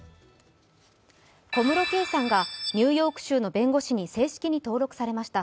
小室圭さんがニューヨーク州の弁護士に正式に登録されました。